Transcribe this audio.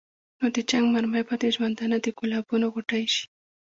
نو د جنګ مرمۍ به د ژوندانه د ګلابونو غوټۍ شي.